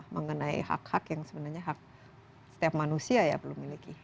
mengenai hak hak yang sebenarnya hak setiap manusia ya belum miliki